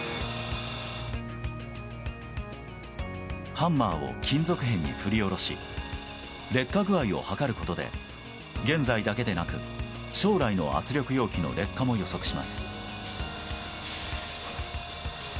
ハンマーを金属片に振り下ろし劣化具合を測ることで現在だけでなく、将来の圧力容器の劣化も予測します。